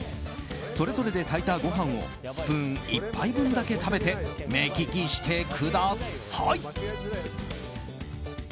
それぞれで炊いたご飯をスプーン１杯分だけ食べて目利きしてください。